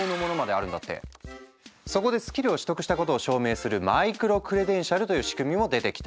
そこでスキルを取得したことを証明するマイクロクレデンシャルという仕組みも出てきた。